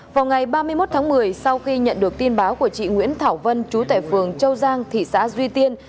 vào ngày ba mươi một tháng một mươi sau khi nhận được tin báo của chị nguyễn thảo vân chú tại phường châu giang thị xã duy tiên